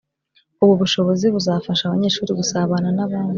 ubu bushobozi buzafasha abanyeshuri gusabana n’abandi